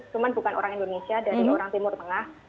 cuma bukan orang indonesia dari orang timur tengah